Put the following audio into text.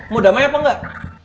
mau damai apa enggak